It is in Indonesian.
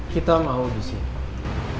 kita mau di sini